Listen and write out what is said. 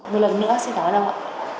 một lần nữa xin cảm ơn ông ạ